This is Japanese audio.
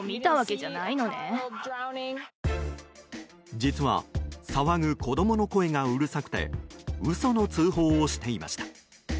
実は騒ぐ子供の声がうるさくて嘘の通報をしていました。